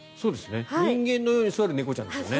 人間のように座る猫ちゃんですよね。